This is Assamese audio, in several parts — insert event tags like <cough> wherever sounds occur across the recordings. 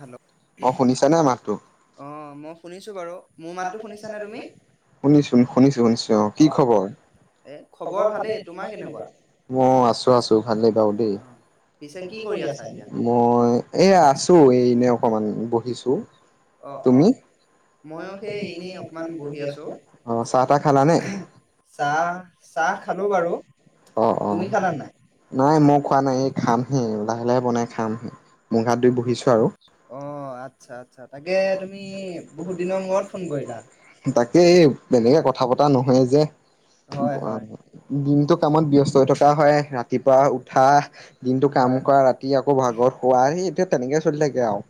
হেল্ল' অঁ মই শুনিছো বাৰু? মোৰ মাতটো শুনিছানে তুমি অঁ। খবৰ ভালে তোমাৰ কেনেকুৱা মই আছো আছো ভাল বাৰু দেই মই। এনে অকমান বহিছো তুমি চাহ তাহ খালা নে? চাহ খালোঁ বাৰু, অঁ অঁ, তুমি খালা নাই? নাই মই খোৱা নাই এই খামহে লাহে লাহে বনাই খামহে মুখ হাত ধুই। অঁ আচ্ছা আচ্ছা তাকে তুমি বহুত দিনৰ মূৰত ফোন কৰিলা হয়। অ দিনতটো কামত ব্যস্ত হৈ থকা হয়, ৰাতিপুৱা উঠা, দিনতটো কাম কৰা ৰাতি আকৌ ভাগত শুৱা সেই এতিয়া। তেনেকে চলি থাকে আৰু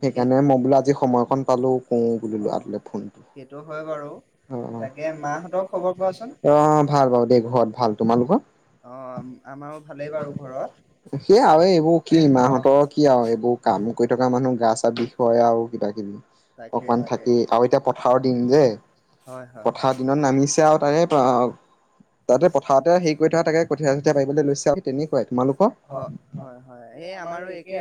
সেইকাৰণে মই বোলো আজি সময়ক পালো কও বুলি ল'ৰা টোলে ফোনতো। সেইটো হয় বাৰু, মা হতৰ খবৰ কোৱা চোন? ভাল বাৰু দেই ঘৰত ভাল তোমালোকৰাৰ সেই আৰু এইবোৰ কি মাহতৰ কি। কি আৰু এইবোৰ কাম কৰি থকা মানুহ গা চা কি আও এইবোৰ কাম কৰি থকা মানুহ গা‌ চাপ অলপ বিষ হয় আৰু কিবা কিবি অকমান থাকি আৰু এতিয়া পথাৰৰ দিন যে পথাৰৰ দিনত নামিছে আৰু তাৰে। হয় হয় হয় আমাৰো এক।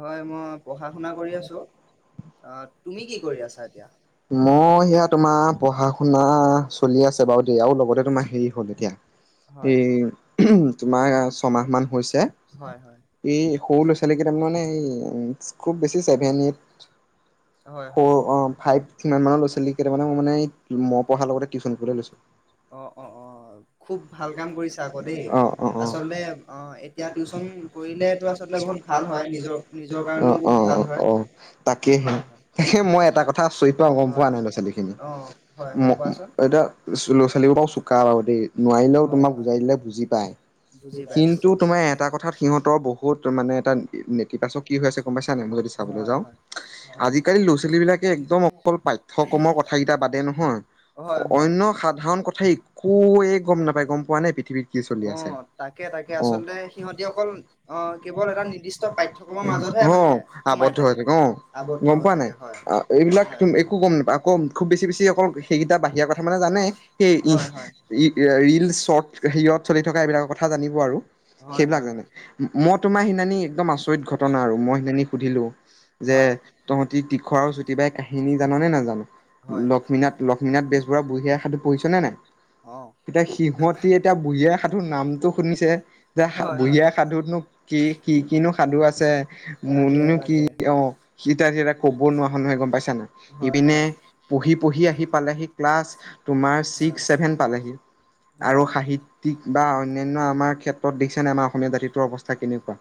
হয় মই পঢ়া-শুনা কৰি আছোঁ। তুমি কি কৰি আছা এতিয়া? আৰু লগতে তোমাৰ হেৰি হল এতিয়া এই তোমাৰ ছমাহ মান হৈছে এই সৰু ল'ৰা ছোৱালী কেইটা মানে খুব বেছি চেভেন। ফাইপ মানৰ ল'ৰা ছোৱালী কেইটামানে মানে মই পঢ়াৰ লগতে টিউচন লৈছো অঁ অঁ অঁ খুব ভাল কাম কৰিছা আকৌ দেই আচলতে অ এতিয়া টিউচন কৰিলে তো আচলতে বহুত ভাল হয় নিজৰ নিজৰ কাৰণেও বহুত ভাল হয়। অ তাকেহে তাক মই এটা কথা চৈ পোৱা গম পোৱা নাই ল'ৰা ছোৱালী খিনি এতিয়া। ল'ৰা ছোৱালী কেইটাও চুকা বাৰু দেই নোৱাৰিলেও তোমাক বুজাই দিলে বুজি পায় কিন্তু তোমাৰ এটা কথাত সিহঁতৰ বহুত মানে এটা নিতিবাচক কি হৈ আছে গম পাইছা নাই। হয় হয় হয় হয় হয়। সাধাৰণ কথাই একোয়ে গম নাপায় গম পোৱা নাই পৃথিৱীত কি চলি আছে নৃদিস্থ পাঠক্ৰমৰ মাজত। আৱদ্ধ হৈ হৈছে। অ গম পোৱা নাই, এইবিলাক একো গম নাপায় আকৌ খুব বেছি বেছি অকল সেইকেইটা বাহিৰা কথা মানে জানে। সেই ৰিল শৰ্ট হেৰিয়ত চলি থকা এইবিলাকৰ কথা জানিব আৰু সেইবিলাক জানে মই তোমাৰ সেইনানি একদম আচৰিত ঘটনা আৰু মই সেইনানি। সুধিলো যে তহঁতি তীখৰ আৰু চুটি বাই কাহিনী জান নে নাজান লক্ষ্মীনাথ লক্ষ্মীনাথ বেজবৰুৱা বুঢ়ীআই সাধু পঢ়িচ। হয় নে নাই এতিয়া সিহঁতি এতিয়া বুঢ়ী আই সাধুৰ নামটো শুনিছে যে বুঢ়ী আই‌ সাধুনো কি কি কিনো সাধু আছে। মনো কি অ সিহঁতে ক'ব নোৱাৰা নহয় গম পাইছানা ইপিনে পঢ়ি পঢ়ি আহি পালেহি ক্লাছ। তোমাৰ ছিক্স, চছেভেন পালেহি আৰু সাহিত্যিক বা অন্যান্য আমাৰ ক্ষেত্ৰত দেখিছা নই আমাৰ অসমীয়া জাতিটোৰ অৱস্থা কেনেকুৱা।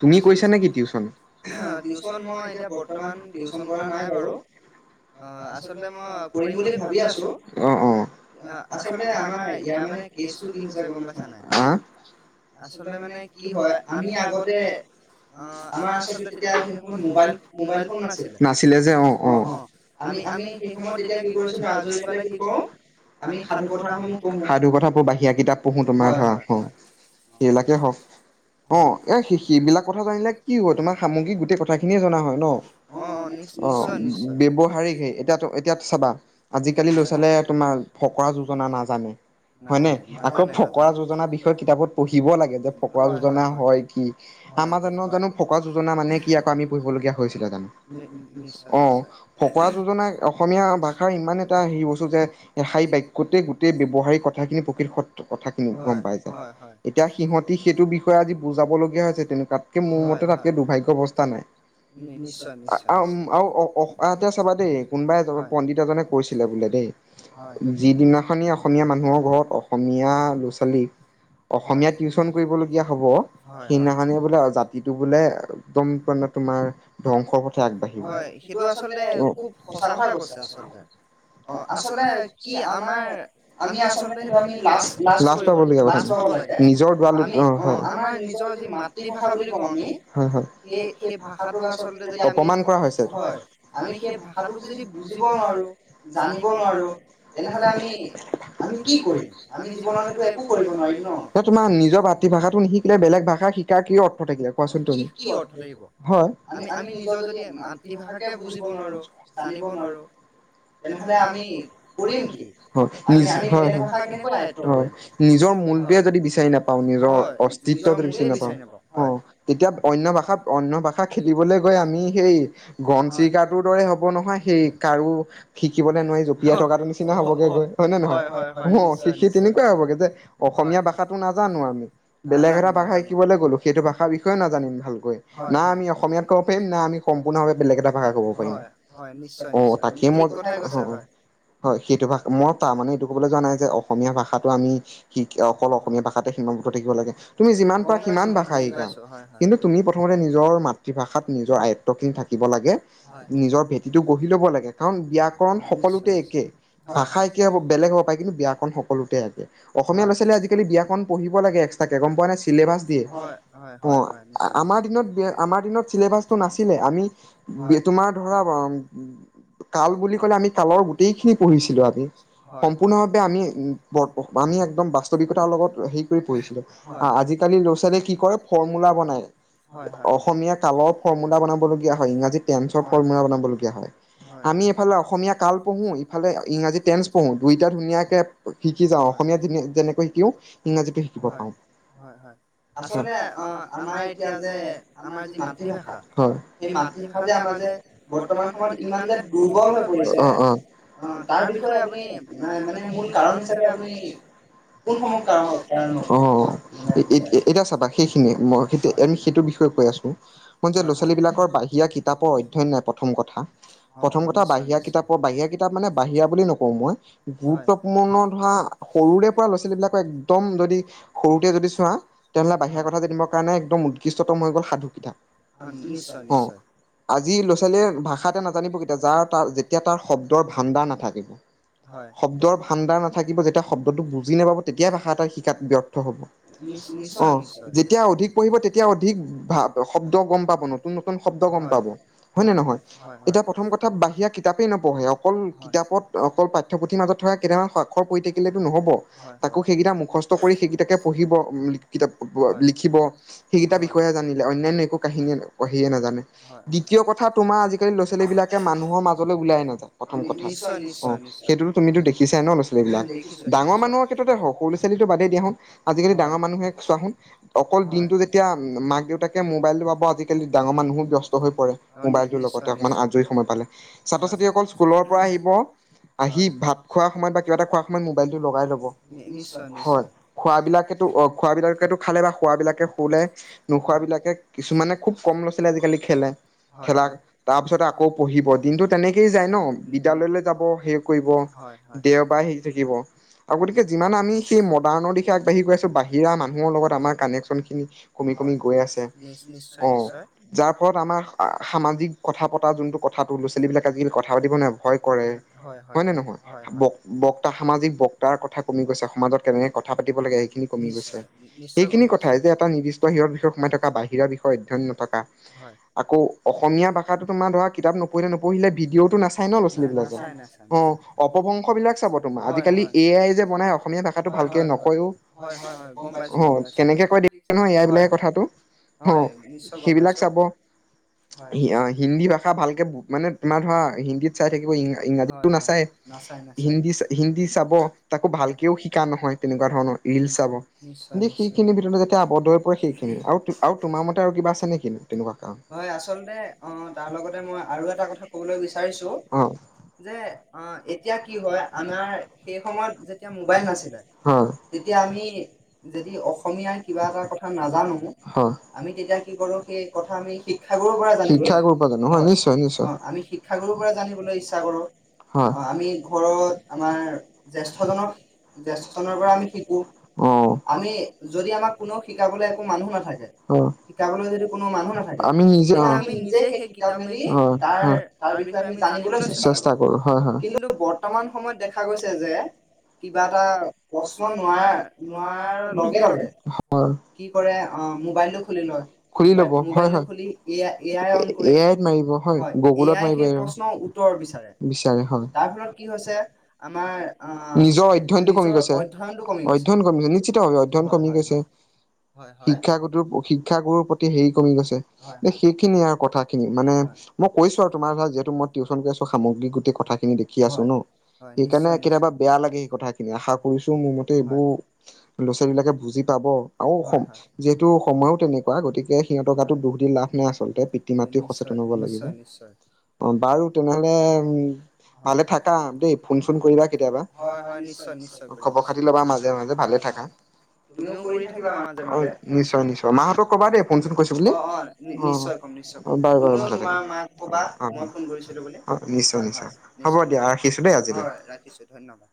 তুমি কৈছা নেকি টিউচন? টিউচন মই এতিয়া বৰ্তমান টিউচন কৰা নাই বাৰু, আচলতে মই। অ অ। আমাৰ আছে তেতিয়া সেইবোৰ ম'বাইল ম'বাইল ফোন নাছিল নাছিলে যে অ অ আমি আমি সেইয়ত। বুইছ নাই, আজিৰ সময়ত কি কৰ অ আমি সাধু কিতাপ পঢ়ো বাহিৰা কিতাপ পঢ়ো তোমাৰ ধৰা অ সেইবিলাকে হওক অ। এ সি সিবিলাক কথা জানিলে কি হয় তোমাৰ, সামগ্ৰীক গোটেই কথা খিনিয়ে জনা হয় ন অ ব্যৱহাৰিক হেই এতিয়া এতিয়া। আজিকালি ল'ৰা ছোৱালীয়ে তোমাৰ ফকৰা যোজনা নাজানে হয় নে, আকৌ ফকৰা যোজনা বিষয়ে কিতাপত পঢ়িব লাগে যে ফকৰা যোজনা হয়। কি আমাৰ জানো জানো ফকৰা যোজনা মানে কি আকৌ আমি পঢ়িব লগীয়া হৈছিলে জানো, অ ফকৰা যোজনা অসমীয়া ভাষা। ইমান এটা হেৰি বস্তু যে এশাৰী বাক্যতে গোটেই ব্যৱহাৰিক কথা খিনি প্ৰকৃত সত কথা খিনি গম পাই যায়। এতিয়া সিহঁতি সেইটো বিষয়ে আজি, যাবলগীয়া হৈছে তেনে তাতকে মোৰ মতে তাতকে দুৰ্ভাগ্য অৱস্থা নাই আও আ আও এতিয়া চাবা দেই কোনোবাই যাব পণ্ডিত জনে কৈছিলে বোলে দেই, যিদিনাখনি অসমীয়া মানুহৰ ঘৰত অসমীয়া ল'ৰা ছোৱালীক, অসমীয়া টিউচন কৰিবলগীয়া হব। সেইদিনাখনিয়ে বোলে জাতিটো বোলে একদম মানে তোমাৰ ধ্ববংসৰ পথে আগবাঢ়িব। অ আচলতে কি আমাৰ আমি আচলতে সেইটো আমি লাজ লাজ কৰিব লাজ পাব লাগে, আমি অ আমাৰ নিজৰ। মাতৃ ভাষা কম আমি, এই ভাষাটোক আচলতে অপমান কৰা হৈছে। হয় আমি সেই ভাষাটোক যদি বুজি। জানিব নোৱাৰো তেনেহলে আমি আমি কি কৰিম, আমি জীৱনত সেটো একো কৰিব নোৱাৰিম ন, তোমাৰ নিজৰ মাতৃভাষাটো নিশিকিলে বেলেগ। ভাষা শিকাৰ কি অৰ্থ থাকিলে কোৱাচোন তুমি, কি অৰ্থ থাকিলে হয় আমি আমি নিজৰ যদি মাতৃ ভাষাকে বুজিব নোৱাৰো জানিব নোৱাৰো। তেনেহলে আমি কৰিম, কি হয় হয় নিজৰ মূল্যয়ে যদি বিচাৰি নাপাওঁ নিজৰ অস্তিত। নাপাওঁ অ তেতিয়া অন্য ভাষাত অন্য ভাষা খেলিবলৈ গৈ আমি সেই গন চিৰিকাটোৰ দৰে হব নহয় সেই। শিকিবলে নোৱাৰি জঁপিয়াই থকাটো নিচিনা হবগে গৈ হয় নে নহয় অ শিকি তেনেকুৱাই হ'বগে যে অসমীয়া ভাষাটো নাজানো আমি বেলেগ এটা। ভাষা শিকিবলৈ গ'লো সেইটো ভাষাৰ বিষয়ে নাজানিম ভালকৈ না আমি অসমীয়াত ক'ব পাৰিম না আমি সম্পূৰ্ণ ভাৱে বেলেগ এটা ভাষা ক'ব পাৰিম অ। তাকেই মই হয় সেইটো ভাষ মই তাৰ মানে এইটো কবলৈ যোৱা নাই যে, অসমীয়া ভাষাটো আমি শিক অকল অসমীয়া ভাষাতে সীমাবদ্ধ থাকিব লাগে। তুমি যিমান পাৰা সিমান ভাষা শিকা, কিন্তু তুমি প্ৰথমতে নিজৰ মাতৃভাষাত নিজৰ আয়ত্ব খিনি থাকিব লাগে নিজৰ ভেটিটো গঢ়ি। কাৰণ ব্যাকৰণ সকলোতে একে ভাষা কি হ'ব বেলেগ হব পাৰে, কিন্তু ব্যাকৰণ সকলোতে একে। অসমীয়া ল'ৰা ছোৱালীয়ে আজি কালি ব্যাকৰণ পঢ়িব লাগে এক্সট্ৰা কে গম। চেলেবাছ দিয়ে, অ আমাৰ দিনত আমাৰ দিনত চিলেবাছটো নাছিলে আমি তোমাৰ ধৰা। কাল বুলি কলে আমি কালৰ গোটেইখিনি পঢ়িছিলো আমি সম্পূৰ্ণভাৱে আমি আমি একদম বাস্তৱিকতাৰ লগত হেৰি কৰি পঢ়িছিলো। আহ আজিকালি ল'ৰা ছোৱালীয়ে কি কৰে ফৰ্মূলা বনাই অসমীয়া কালৰ ফৰ্মূলা বনাবলগীয়া হয় ইংৰাজী টেন্সৰ ফৰ্মূলা বনাবলগীয়া হয়। আমি ইফালে অসমীয়া কাল পঢ়ো ইফালে ইংৰাজী টেন্স পঢ়ো দুইটা ধুনীয়াকে শিকি যাওঁ অসমীয়া যেনেকৈ শিকো ইংৰাজীটো শিকিব পাওঁ। আচলতে অ আমাৰ এতিয়া যে আমাৰ যি মাতৃভাষা সেই মাতৃভাষা যে আমাৰ যে বৰ্তমান সময়ত। দুৰ্বল হৈ পৰিছে তাৰ বিষয়ে আপুনি মানে মূল কাৰণ হিচাপে আপুনি কোনসমূহ কাৰন কাৰ এতিয়া চাবা সেইখিনিয়েই সেই আমি সেইটো বিষয়ে কৈ আছো। মই যে' লৰা-ছোৱালী বিলাকৰ বাহিৰা কিতাপৰ অধ্যয়ন নাই প্ৰথম কথা, প্ৰথম কথা বাহিৰা কিতাপৰ বাহিৰা কিতাপ মানে বাহিৰা বুলি নকওঁ, মই গুৰুত্বপূৰ্ণ ধৰা সৰুৰে পৰা ল'ৰা-ছোৱালীবলাকক একদম যদি সৰু যদি চোৱা তেনেহ'লে বাহিৰা কথা জানিবৰ কাৰণে একদম উৎকৃষ্টতম হৈ গ'ল সাধু কিতাব। অ' আজি লৰা-ছোৱালীয়ে ভাষা এটা না জানিব কেতিয়া যাৰ। অ' যেতিয়া অধিক পঢ়িব, তেতিয়া অধিক ভ শব্দ গম পাব নতুন-নতুন শব্দ গম পাব হয় নে নহয়। এতিয়া প্ৰথম কথা বাহিৰা কিতাপেই নপঢ়ে, অকল কিতাপত অকল পাঠ্যপুথিৰাজত থকা কেইটামান সাক্ষৰ পৰি থাকিলেতো নহব। তাকো সেইকেইটা মুখস্থ কৰি সেইকেইটাকে পঢ়িবিতাপ লিখিব। সেইকেইটা বিষয়ে জানিলে, অন্যান্য একো কাহিনীয়েঢিয়ে নাজানে। দ্বিতীয় কথা তোমাৰ আজিকালি লৰা-ছোৱালী ল'ৰা-ছোৱালী বিলাকে মানুহৰ মাজলৈ উলিয়াই নাযায়। প্ৰথম কথা, অ' সেইটোতো তুমিতো দেখিছা ন' লৰা-ছোৱালী বিলাক ডাঙৰ মানুহৰ ক্ষেত্ৰতে হ সৰু লৰা-ছোৱালীটো বাদেই দিয়া চোন। আজিকালি ডাঙৰ মানুহে চোৱা চোন অকল দিনতটো যেতিয়া মাক-দেউতাকে মোবাইলটো পাব, আজিকালি ডাঙৰ মানুহো ব্যস্ত হৈ পৰে মোবাইলটোৰ লগত। আজৰি সময় পালে, ছাত্ৰ-ছাত্ৰীসকল স্কুলৰ পৰা আহিব। আহি ভাত খোৱা সময় বা কিবা এটা খোৱাৰ সময়ত মোবাইল টো লগাই লব। হয়, খোৱা বিলাক সেইটো অ' খোৱাবলাকো খালে বা খোৱাবলাকে শুলে। নোখোৱাবলাকে কিছুমানে খুব কম লৰা-ছোৱালীয়ে আজিকালি খেলে, খেলা তাৰ পিছত আকৌ পঢ়িব দিনতটো তেনেকেই যায় ন, বিদ্যালয়লৈ যাব হে কৰিব। দেওবাৰে হেৰি থাকিব আৰু গতিকে যিমান আমি সেই মডাৰ্ণৰ দিশে আগবাঢ়ি গৈ আছো। বাহিৰা মানুহৰ লগত আমাৰ কানেকচন খিনি কমি-কমি গৈ আছে। অ' যাৰ ফলত আমাৰ সামাজিক কথা-পতা, যোনটো কথাতটো ল'ৰা সেইখিনি কথাই যে, এটা নিৰ্দিষ্ট হিৰৰ বিষয়ে সোমাই থকা। বাহিৰৰ বিষয়ে অধ্যয়ন নথকা, আকৌ অসমীয়া ভাষাত তোমাৰ ধৰা কিতাপ নপঢ়িলে-নপঢ়িলে ভিডিঅটো নাচই ন লৰা-চোৱালী বিলাকে। অ' অপভংশ বিলাক চাব, তোমাৰ আজিকালি এ আই যে বনাই অসমীয়া ভাষাটো ভালকে নকয়ও। অ' কেনেকে কয় দেখিছা নহয়। এ আই বিলাকে কথাটো অ' সেইবিলাক চাব। হিন্দী ভাষা ভালকৈ মানে তোমাৰ ধৰা হিন্দীত চাই থাকিব। ই ইংৰাজীতো নাচায় হিন্দী-হিন্দী চাব। তাকো ভালকৈও শিকা নহয়। তেনেকুৱা ধৰণৰ ৰিল চাব কিন্ত সেইখিনিৰ ভিতৰত যেতিয়া আৱদ্ধ হৈ পৰে, সেইখিনি আৰু আৰু তোমাৰ মতে আৰু কিবা আছে নে কিনো তেনেকুৱা কাৰণ। অ', হয়। তিয়া আমি যদি অসমীয়াৰ কিবা এটা কথা নাজানো? হয়। আমি তেতিয়া কি কৰোঁ? সেই কথা আমি শিক্ষাগুৰুৰ পৰা শিক্ষাগুৰুৰ পৰা জানো। হয়, নিশ্চয়-নিশ্চয়। আমি শিক্ষগুৰুৰ পৰা জানিবলৈ ইচ্ছা কৰোঁ। হয়। আমি ঘৰত আমাৰ জেষ্ঠজনক- জেষ্ঠজনৰ পৰা আমি অ' আমি যদি আমাক কোনেও শিকাবলৈ একো মানুহ নাথাকে, শিকাবলৈ যদি কোনো মানুহ নাথাকে। আমি নিজে আমি নিজেই সেই কিতাপ মেলি তাৰ- তাৰ বিষয়ে আমি জানিবলৈ চেষ্টা কৰো‍ঁ। কিন্তু বৰ্তমান সময়ত দেখা গৈছে যে কিবা এটা প্ৰশ্ন নোৱাৰা- নোৱাৰাৰ লগে - লগে। হয়। কি কৰে অ'- মোবাইলটো খুলি লয়। খুলি ল'ব, হয়। <inaudible> এ আই- এ আইত মাৰিব। হয়। গগুলত মাৰিব। এই আইত সেই প্ৰশ্নৰ উত্তৰ বিচাৰে। তাৰ ফলত কি হৈছে, আমাৰ অ'-। নিজৰ অধ্যয়নটো কমি গৈছে। অধ্যয়ন কমি গৈছে- নিশ্চিতভাৱে অধ্যয়ন কমি গৈছে। শিক্ষাগুৰু- শিক্ষাগুৰুৰ প্ৰতি হেৰি কমি গৈছে। সেইখিনি আৰু কথাখিনি। মানে মই কৈছোঁ আৰু তোমাৰ তাত, যিহেতু মই টিউছন কৰি আছোঁ, সামগ্ৰিক গোটেই কথাখিনি দেখি আছোঁ ন'? সেইকাৰণে কেতিয়াবা বেয়া লাগে সেই কথাখিনি। আশা কৰিছোঁ তো মোৰ মতে এইবোৰ ল'ৰা-ছোৱালীবিলাকে বুজি পাব। আৰু সম- যিহেতু সময়ো তেনেকুৱা, গতিকে সিহঁতৰ গাতো দোষ লাভ নাই আচলতে। পিতৃ-মাতৃও সচেতন হব লাগিব। অ' বাৰু তেনেহলে উম ভালে থাকা দেই। ফোন-চোন কৰিবা কেতিয়াবা। হয় নিশ্চয় - নিশ্চয়। খবৰ-খাতি লবা মাজে - মাজে। ভালে থাকা। তুমিও কৰি থাকিবা মাজে - মাজে। নিশ্চয় - নিশ্চয়। মাহঁতক কবা দেই ফোন-চোন কৰিছোঁ বুলি। অ' - অ'। নিশ্চয় কম - নিশ্চয় কম। তুমিও তোমাৰ মাক কবা মই ফোন কৰিছিলোঁ বুলি। হয় - হয়, নিশ্চয়। ৰাখিছোঁ ধন্যবাদ।